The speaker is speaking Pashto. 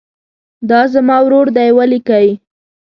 دا زما ورور دی ولیکئ.